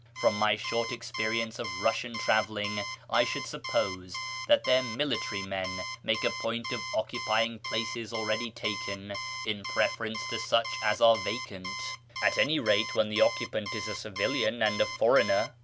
From my short experience of Russian travelling I should suppose that their military men make a point of occupying places already taken in preference to such as are vacant — at any rate, when the occupant is a civilian and a foreigner.